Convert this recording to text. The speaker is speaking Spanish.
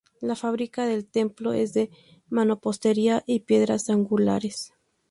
La fábrica del templo es de mampostería y piedras angulares.